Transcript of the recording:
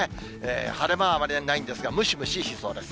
晴れ間はあまりないんですが、ムシムシしそうです。